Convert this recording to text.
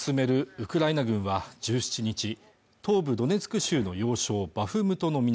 ウクライナ軍は１７日東部ドネツク州の要衝バフムトの南